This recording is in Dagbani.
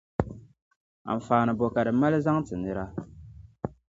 Anfaani bo ka di mali zaŋ ti nira?